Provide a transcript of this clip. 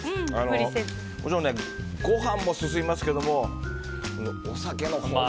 ご飯も進みますけどお酒のほうが。